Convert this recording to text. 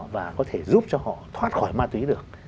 và có thể giúp cho họ thoát khỏi ma túy được